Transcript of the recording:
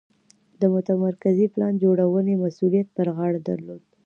د متمرکزې پلان جوړونې مسوولیت پر غاړه درلود.